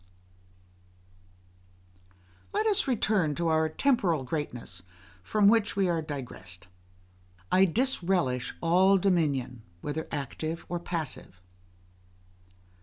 Let us return to our temporal greatness, from which we are digressed. I disrelish all dominion, whether active or passive.